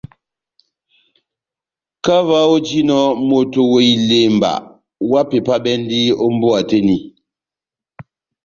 Kahá ová ojinɔ moto wa ilemba, ohápepabɛndi ó mbówa tɛ́h eni.